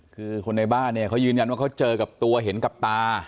คือคนในบ้านเนี่ยเขายืนยันว่าเขาเจอกับตัวเห็นกับตา